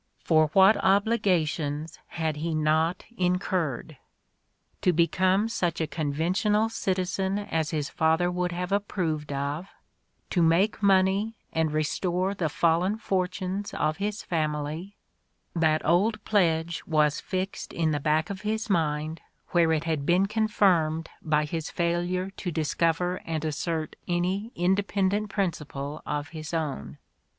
VTor what obligations had he not incurred ! To become such a conventional citizen 76 The Ordeal of Mark Twain as his father would have approved of, to make money and restore the fallen fortunes of his family — that old pledge was fixed in the back of his mind, where it had been confirmed by his failure to discover and assert any independent principle of his own.